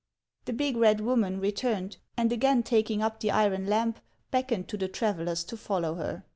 " The big, red woman returned, and again taking up the iron lamp, beckoned to the travellers to follow her.